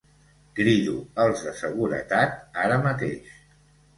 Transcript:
Crido els de seguretat ara mateix.